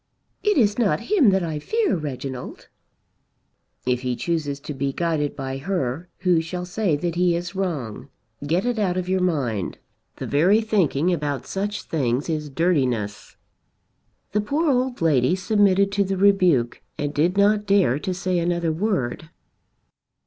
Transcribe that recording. "It is not him that I fear, Reginald." "If he chooses to be guided by her, who shall say that he is wrong? Get it out of your mind. The very thinking about such things is dirtiness!" The poor old lady submitted to the rebuke and did not dare to say another word.